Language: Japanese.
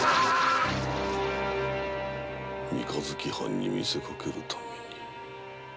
三日月藩と見せかけるために？